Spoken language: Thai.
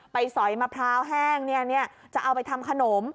สอยมะพร้าวแห้งจะเอาไปทำขนม